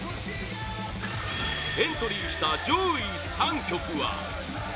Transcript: エントリーした上位３曲は